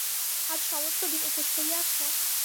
আজ সমস্ত দিন উপোস করিয়া আছ?